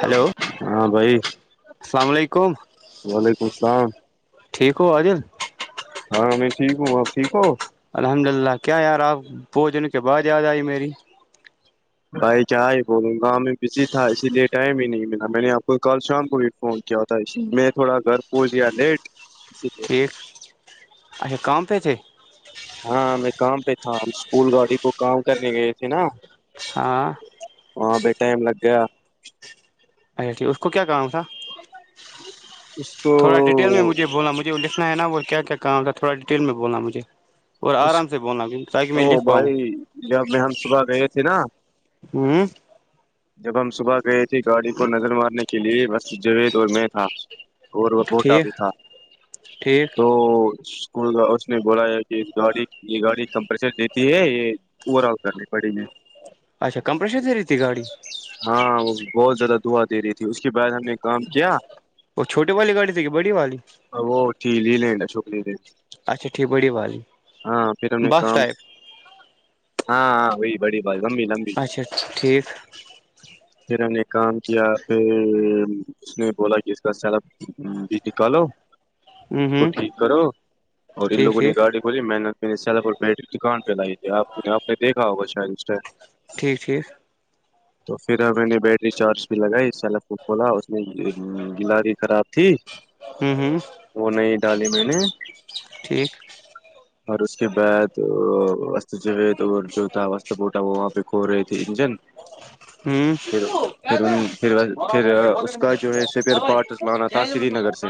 Hello ہاں بھائی السلام علیکم وعلیکم السلام ٹھیک ہو عادل ہاں میں ٹھیک ہوں آپ ٹھیک ہو بوجن کے بعد یاد آئی میری بھائی ج ہی بولوں گاؤں میں بزی تھا اسی لیے ٹائم ہی نہیں ملا میں نے آپ کو کل شام کو بھی فون کیا تھا میں تھوڑا گھر پہنچ دیا لیٹ اسی لیے ٹھیک اچھ کام پ تھ ہاں میں کام پہ تھا ہم اسکول گاڑی وہ کام کرنے گئے تھے نا ہاں وہاں بھیہ ٹائم لگ گیا [unintelligible] اچا ٹھیک اس کو کیا کہا تھا [unintelligible] تھوا ڈٹیل میں مجھ بولا مجھے لکھنا ہے نا وہ کیا کام تھا تھوڑا ڈیٹیل میں بونا مجھے اور آرام سے بولنا تاکہ میں او لکھ پاؤں بھائی جب میں ہم صبح گئے تھے نا ہوں جب ہم صبح گئے تھے گاڑی کو نظر مارنے کے لیے بس ج تو میں تھا اور وہ بوٹا ٹھیک بھی تھا ٹھیک تو اسکول کا اس نے بولا کہ گاڑی یہ گاڑی کمپریشر دیتی ہے یہ اوور آل کرنی پڑیں گے اچا کمپریشر د دییتیھی گاڑی اس کے اس بعد ہم نے کام کیا وہ چھوٹی والی گاڑی تھی کہ بڑی والی وہ ل لیںا شکری د اچھا ٹھیک بڑی والی ہاں پھر ہم نے بس کام ٹائپ ہاں وہی بڑی بات لمبی لمبی ج پھر ہم نے کام کیا پھر اس نے بولا کہ اس کا سارا بج نکالو اس کو ٹھیک کرو اور ان ٹھیک لوگوں نے ٹھیک گاڈی بولی محنت سور بیٹ دکان پہ لائی تھی آپ آپ نے دیکھا ہوگا شاید اس سے ٹھیک ٹھیک تو پھر ہم میں نے بیٹری چارج بھی لگائی سیف کھولا اس میں گلڑ خراب تھی ہوں ہوں وہ نہیں ڈالی میں نے ٹھیک اور اس کے بعد و جیید اور جو تھا وس بوٹا وہ وہاں پہ کھو رہے تھے انجن ہوں پھر پھر پھر پھر اس کا جو ہے سپر پارٹ لانا تھا سری نگر سے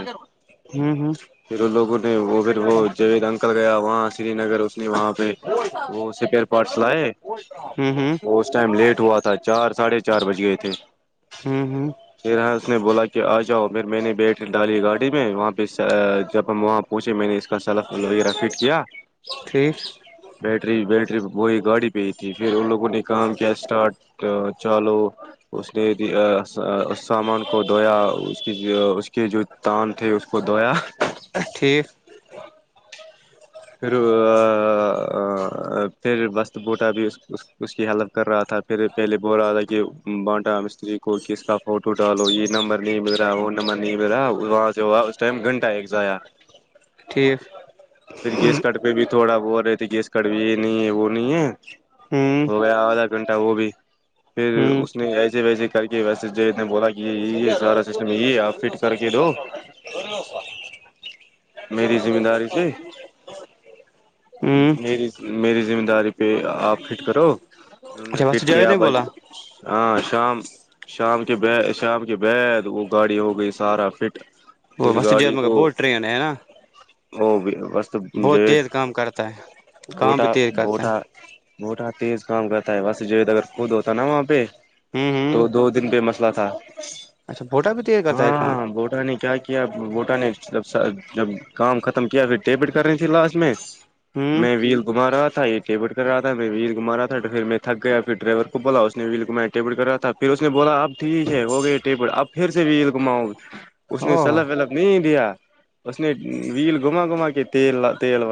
ہوں ہوں پھر ان لوگوں نے وہ پھر وہ جیید انکل گیا وہاں سری نگر اس نے وہاں پہ وہ سپیئر پارٹس لائے ہوں ہوں ٹائم لیٹ ہوا تھا ا چار ساڑھے چار بجی گئے اے ہوں ہوں اس نے بولا کہ آ جاؤ پھر میں نے بیٹ ڈالی گاڑی میں وہاں پہ جب ہم وہاں پہچے میں نے اس کا س صلاف وغیرہ پ ج ہ [unintelligible] ٹھیک ری بیٹری وہی گاڑی پہ ہی تھی پھر ان لوگوں نے کام کیا اسٹارٹ چالو اس نے سامان کو دھویا اس کی اس کے جو تان تھے اس کو دھویا ٹھیک پھر پھر وست بوٹا بھی اس کی ہیلپ کر رہا تھا پھر پہلے بول رہا تھا کہ بانٹا مستری کو کس کا فوٹو ڈالو یہ نمبر نہیں مل رہا وہ نمبر نہیں مل رہا وہاں سے ہوا اس ٹائم گھنٹہ ایک جایا ٹھیک پھر گیس کٹ پہ بھی تھوڑا ب رہے تھے گیس کٹ بھی یہ نہیں ہے وہ نہیں ہے ہوں ہو گیا آدھا گھنٹہ وہ بھی پھر ہوں اس نے ایسے ویسے کر کے ویسے ج نے بولا کہ یہ یہ سارا سسٹم یہی ہے آپ فٹ کر کے دو میری ذمہ داری پہ م ہوں میری ذمہ داری پہ آپ فٹ کرو انہوں نے اچھا فھر وسو جاوید کیا نے بس بولا ہاں شام شام کے شام کے بد وہ گاڑی ہو گئی سارا فٹ وہ وس ج م ب ٹرین ہے نا ا وس بہت تیز کام کرتا ہے کام بھی بوٹا تیز کرتا بٹا ہے موٹا تیز کام کرتا ہے بس جیید اگر خود ہوتا نا وہاں پہ ہوں تو ہوں دو دن پہ مسئلہ تھا اچھا بھوٹا بھی تیز کرتا ہے کام ہاں بوٹا نے کیا کیا بوٹ بہار کی اوج عا رہی ہے جب کام ختم کیا پھر ٹیبٹ کر رہی تھی لاسٹ میں ہوں میں ول کمار ہ تھا یہ ٹیپٹ کر رہا تھا میں ول گھما تھا تو پھر میں تھک گیا پھر ڈرائیور کو بولا اس نے ویل گمایا ٹیپٹ کر رہا تھا پھر اس نے بولا اب ٹھیک ہے ہو گئے ٹیپٹ اب پھر سے ول گھماؤ اس او نے سلب ولب نہیں دیا اس نے ویل گما گما کے تیل تیل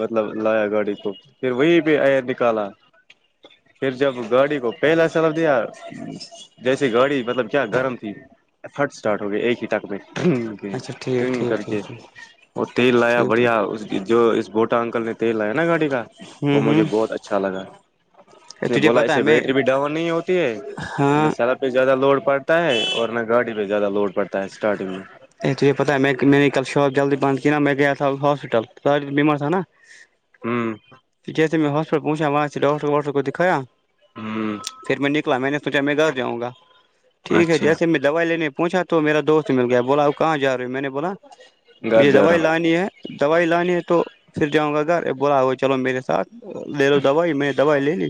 مطلب لایا گاڑی کو پھر وہیں پہ ایئر نکالا پھر جب گاڑی کو پہلا سلاب دیا جیسے گاڑی مطلب کیا گرم تھیٹ اسٹارٹ ہو گیا ایک ہی ٹک میں اچھا ت ٹھیک کر ٹھیک ٹھیک ٹھیک اور تیل لایا ٹھیک ٹھیک بڑھیا اس جو اس بٹ تو اکل نے تل لایا ن گاڑی کا ہوں وہ مجھے ہوں بہت اچھا لگا اس نے تجھے بولا پتا ہے اسے میں بیٹری بھی ڈاؤن نہیں ہوتی ہے ہاں سیلہ زیادہ لوڈ پڑتا ہے اور نہ گاڑی پہ زیادہ لوڈ پڑتا ہے اسٹارٹنگ میں ا توج یہ پتا ہے میں میں ل شاپ جلدی بند کہ ن نہا میں گیا تھا ہاسپٹل بیمار س نا ہوں ٹھیک سے میں ہس پوچھا وہاں سے ڈاکٹر واکٹر کو دکھایا ہوں پھر میں نکلا میں نے سوچا میں گھر جاؤں گا ٹھیک ہے اچھا جیسے میں دوائی لینے پ پہچا تو میرا دوست م گیا بولا کہاں جا رہے میں نے بولا گھر مجھے جا رہا دوائی ہوں لانی ہے دوائی لانی ہے تو پھر جاں گا بولا ہو چلو میرے ساتھ لے لو دوائی میں دوائی لے لی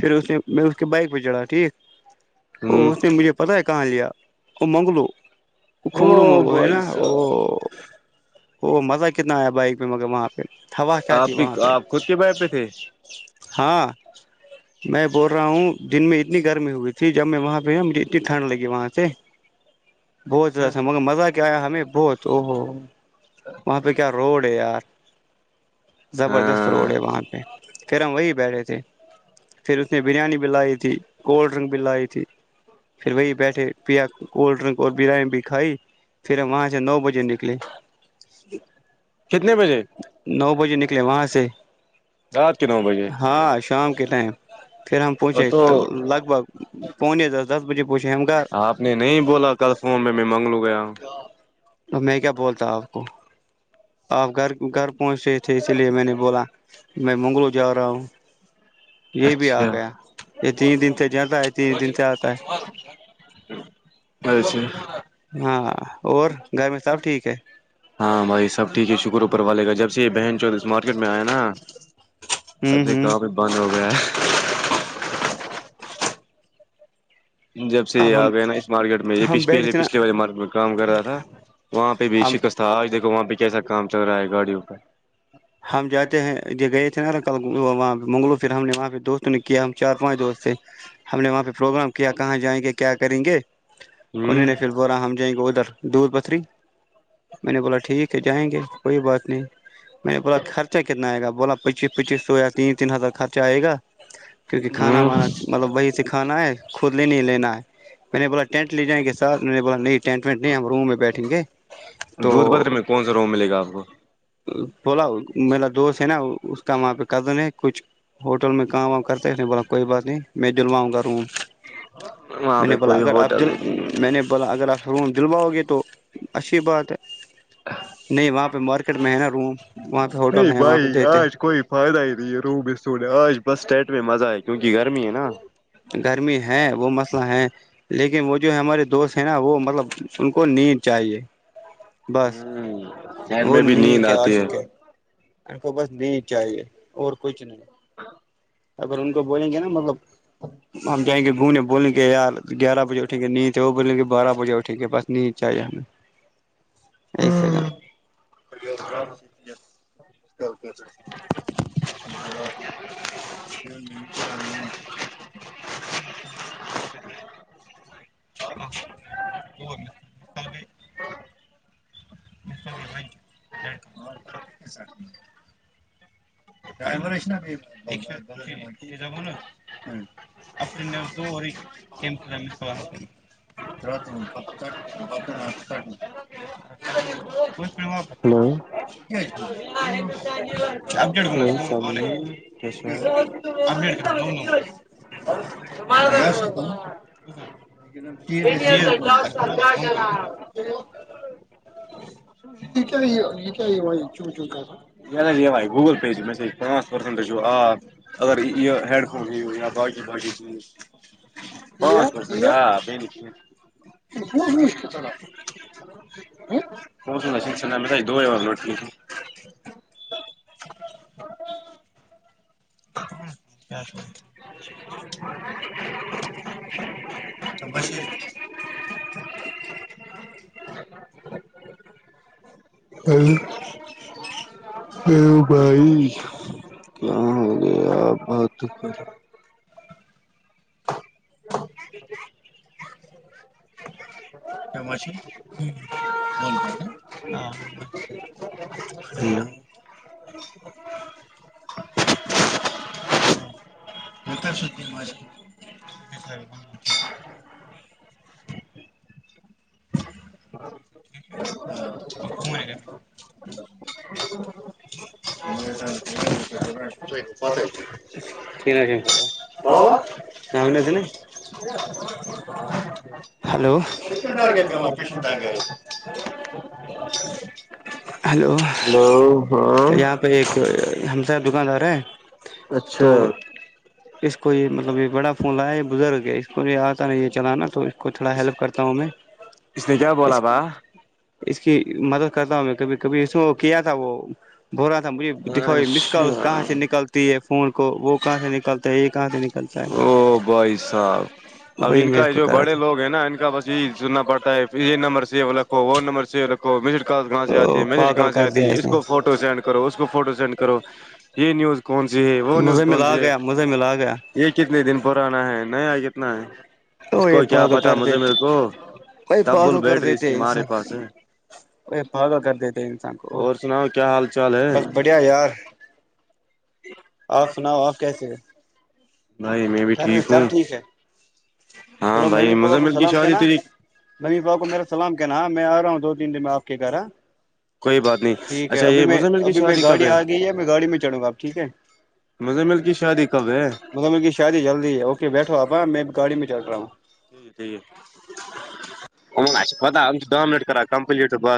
پھر اس نے میں اس کے بائک پہ چڑھا ٹھیک ا اس نے مجھے پتا ہے کہاں لیا وہ منگلو ہوں کھنگڑو او منگلو وہ ہے بھائی نا صاحب وہ وہ مزہ کتنا ہے بھائی مگر وہاں پہ ہوا کیا آپ تھی بھی وہاں پہ آپ خود کے بائک پہ تھے ہاں میں بول رہا ہوں دن میں اتنی گرمی ہوئی تھی جب میں وہاں پہ ہ مجھے اتنی ٹھنڈ لگی وہاں سے بہت اچھا جاس ہے مگر مزہ کیا ہمیں بہت ا ہو وہاں پہ کیا روڑ آار زبردست روڈ ہاں ہے وہاں پہ پھر ہم وہی بیٹھے تھے پھر اس نے بریانی بھی لائی تھی کولڈ ڈرنک بھی لائی تھی پھر وہی بیٹھے پیا کولڈ ڈرنک اور بریانی بھی کھائی پھر وہاں سے نو بجے نکلے کتنے بجے نو بجے نہیں لے وہاں سے رات کے نو بجے ہاں شام کے ٹائم پھر ہم وہ پونچے تو لگ بھگ پونے دس دس بجے پہنچھے ہم گھر ہویا تو میں کیا بولتا ہوں آپ کو آپ گھر گھر پہنچ رہے تھے اسی لیے میں نے بولا میں منگلو جا رہا ہوں یہ بھی آ اچھا گیا یہ تین دن سے جاتا ہے تین دن سے آتا ہے اچھے ہاں اور گھر میں سب ٹھیک ہے ہاں بھائی سب ٹھیک ہے شکر اوپر والے کا جب سے یہ بہن چودریس مارکیٹ میں آیا نا ہوں تبھی ہوں کااں بھی بند ہو گیا ہے جب سے یہ اب آ ہم گئے نا اس مارکیٹ میں ہم بیٹھ یہے تھے نا پچھلے والے مارکیٹ میں کام کر رہا تھا وہاں پہ بھی ہم شکست تھا آج دیکو وہاں پہ کیا سکتے کام چل رہا ہے گاڑیپر ہم جاتے ہیں یہ گئے تھے نا کل وہاںہ منگلو پھر ہم نے وہاںہ دوست تو نے کیا ہم چار پانچ دوست تھے ہم نے وہاں پہ پروگرام کیا کہاں جائیں گے کیا کریں گے ہوں انہوں نے پھر بورا ہم جائیں گے ادھر دودھ پتھری میں نے بولا ٹھیک ہے جائیں گے کوئی بات نہیں میں نے بلا خرچ کتنا آ گا بولا پچیس پچیس سو یا تین تین ہزار خرچہ آئے گا کیونکہ کھانا ہوں وانا مطلب وہی سے کھانا ہے خود لے نہیں لے نہیں میں نے بولا ٹینٹ لے جائیں گے ساتھ میں نے بولا نہیں ٹینٹ وینٹ نہیں ہم روم میں بیٹھیں گے تو دودھ پتر میں کون سا روم ملے گا آپ کو بولاؤ ملا دو سے ہے نا وہ اس کا وہاں پہ قدن ہے کچھ ہوٹل میں کام وم کرتے نہیں بولا کوئی بات نہیں میں جلواؤں گا روںوں وہاں میں پہ نے بولا کوئی اگر آپ ہوٹل دل نہیں ہے۔ میں نے بولا اگر آپ ح میں دلواؤ گے تو اچھی بات ہے نہیں وہاں پہ مارک نہیں بھائی دیتے ہیں، آج کوئی فائدا ہی رہی رو ب سو آج بس ٹیٹ م مزہ ہے کیونکہ گرمی ہے نا گرمی ہے وہ مسئلہ ہے لیکن وہ جو ہمارے دوست ہیں نا وہ مطلب ان کو نیند چاہیے ہ بس شہر وہ میں بھی نیند کے آتی ہے عاشق ان کو بس نہیں چاہیے اور کچھ نہیں ہاں اگر ان کو بولیں گے نا مطلب ہم جائیں گے گھنے بولیں گے یار گیارہ بجے اٹھ گ نہیں تو بولل گ بارہ بجے اٹھ گ بس نیچاہیے ہمیں ایک ہوں کار ب ڈرورا جا ہلو اپ ا اپپ ڈیٹ کوما ج چ چوںک [unintelligible] ج ناجی بھائی گوگل [unintelligible] مسج پانچ پسنٹ جو آپ [unintelligible] اگر یہ ہیڈ فون ہے یا ب [unintelligible] بی چ [unintelligible] با [unintelligible] نہیںھ نک [unintelligible] خوب گوش چر [unintelligible] ا [unintelligible] مو سن ل س سےن سل آ بھی چاہے [unintelligible] دو بار لوٹ کی ت [unintelligible] ا [unintelligible] [unintelligible] [unintelligible] [unintelligible] [unintelligible] بھائی کیا یہ آپ بہت دکر ہے [unintelligible] ا [unintelligible] جمش بولتا [unintelligible] ہ [unintelligible] [unintelligible] [unintelligible] تو کر سو ج س [unintelligible] [unintelligible] م س چی کو پت ہی تھ [unintelligible] کس ن [unintelligible] ہلو [unintelligible] ہیلو ہاں [unintelligible] ہم ساب دکاندار ہیں [unintelligible] اچھا [unintelligible] اس کو یہ مطلب یہ بڑا فون لایا یہ بزرگ ہے اس کو یہ آتا نہیں یہ چلان نا تو [unintelligible] کو تھوڑا ہیلپ کرتا ہوں میں اس نے کیا بولا اس کی با اس [unintelligible] کی مدد کرتا ہوں میں کبھی کبھی اس کیا تھا وہ بور [unintelligible] مجھے دکھاؤ یہ مس اچھا کال کہاں سے نکلتی ہے فون [unintelligible] کو وہ کہاں سے نکلتا [unintelligible] تو یہ کہا تھا [unintelligible] او بھائی صاحب اب وہی ان میں اس کا کو جو کر رہا بڑے تھا لوگ ہیں نا ان کا بس یہی سننا پڑتا ہے یہ نمبر سیو رکھو وہ نمبر سیو رکھو میسج ک کہاں سے آتی تو ہے میسج پاگل کہاں سے کر آتی دیا ہے اس نے کو فوٹو سینڈ کرو اس کو فوٹو سینڈ کرو یہ نیوز کون [unintelligible] نیوز مزے مل کون آ سی ہے گیا مزے مل آ گیا یہ کتنے دن پرانا ہے ن کتنا ہے ا اس یہ کو کیا پاگل پتا کر مجھے دیتے میرے کو ا تبل پاگل کر بیٹری اس دیتے کی مارے انسان پاس ہے ا پاگل کر دیتے انسان کو اور سناؤ کیا حال چال ہے بس بڑھیا یار آپ سناؤ آپ کیسے ہیں جی بھائی میں بھی ٹھیک ہوں ہاں چلو بھائی مزمل کی شہادی تری باؤ کو میرا سلام کے نام ہاں میں آ رہا ہوں دو تینن دن میں آپ کے گھراں کوئی بات نہیں اچھا یہ مزمل کی ابھی میں شادی کب گاڑی ہے آ گئی میں گاڑی میں چڑھوں گا آپ ٹھیک ہے مزمل کی شادی کب ہے ش جی جلدی اوکے بیٹھو آپ میں گاڑی میں چل رہا ہوں پتہ ہم د منٹ کران کمپللیٹ بس